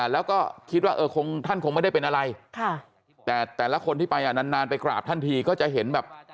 แล้วก็คิดว่าท่านคงไม่ได้เป็นอะไรแต่แต่ละคนที่ไปนานไปกราบท่านทีก็จะเห็นแบบ